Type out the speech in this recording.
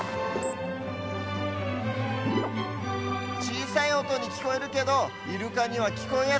ちいさいおとにきこえるけどイルカにはきこえやすいんだって。